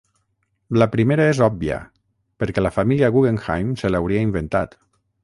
La primera és òbvia: perquè la família Guggenheim se l'hauria inventat.